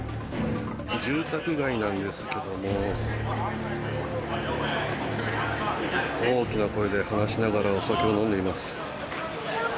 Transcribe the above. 住宅街なんですけども大きな声で話しながらお酒を飲んでいます。